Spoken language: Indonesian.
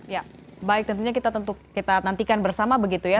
ya baik tentunya kita tentukan bersama begitu ya